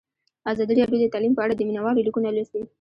ازادي راډیو د تعلیم په اړه د مینه والو لیکونه لوستي.